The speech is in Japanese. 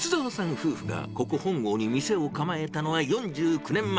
夫婦がここ、本郷に店を構えたのは４９年前。